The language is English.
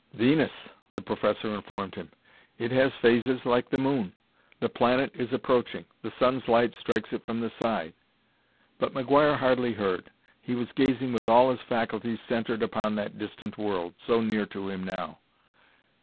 "Venus," the professor informed him. "It has phases like the moon. The planet is approaching; the sun's light strikes it from the side." But McGuire hardly heard. He was gazing with all his faculties centered upon that distant world, so near to him now.